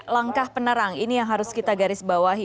langkah penerang ini yang harus kita garis bawahi